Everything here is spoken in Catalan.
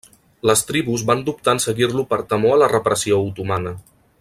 Les tribus van dubtar en seguir-lo per temor a la repressió otomana.